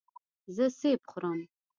زه سیب خورم.